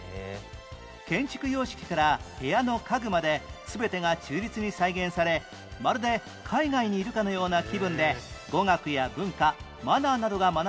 建築様式から部屋の家具まで全てが忠実に再現されまるで海外にいるかのような気分で語学や文化マナーなどが学べるのが人気